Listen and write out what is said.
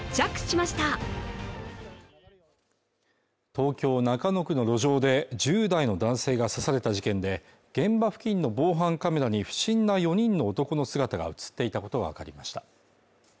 東京中野区の路上で１０代の男性が刺された事件で現場付近の防犯カメラに不審な４人の男の姿が映っていたことが分かりました